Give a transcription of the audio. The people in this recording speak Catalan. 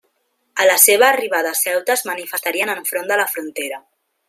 A la seva arribada a Ceuta es manifestarien enfront de la frontera.